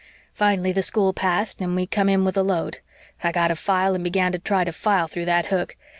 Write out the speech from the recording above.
Fin'lly the school passed and we come in with a load; I got a file and begun to try to file through that hook.